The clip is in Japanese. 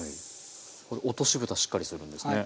これ落としぶたしっかりするんですね。